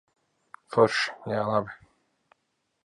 Forši. Jā, labi.